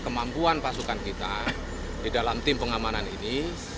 kemampuan pasukan kita di dalam tim pengamanan ini